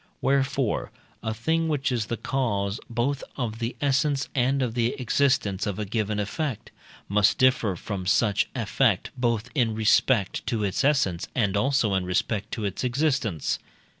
Wherefore, a thing which is the cause both of the essence and of the existence of a given effect, must differ from such effect both in respect to its essence, and also in respect to its existence.